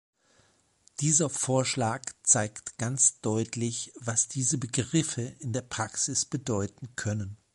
Dieser Vorschlag zeigt ganz deutlich, was diese Begriffe in der Praxis bedeuten können.